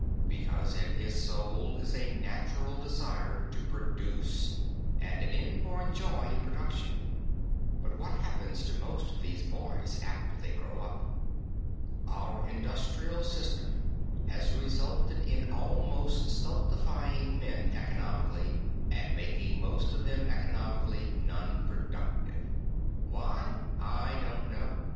Because in his soul is a natural desire to produce and an inborn joy in production. But what happens to most of these boys after they grow up? Our industrial system has resulted in almost stultifying men economically and making most of them economically non productive. Why? I don't know.